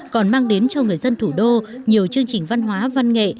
còn mang đến cho người dân thủ đô nhiều chương trình văn hóa văn nghệ